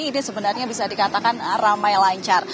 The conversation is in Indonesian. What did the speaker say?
ini sebenarnya bisa dikatakan ramai lancar